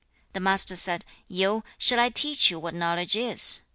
The Master said, 'Yu, shall I teach you what knowledge is?